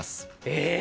え！？